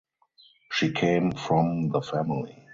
She came from the family.